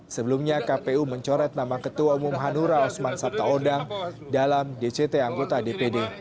sebelumnya kpu mencoret nama ketua umum hanura osman sabtaodang dalam dct anggota dpd